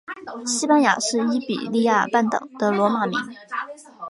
西班牙是伊比利亚半岛的罗马名。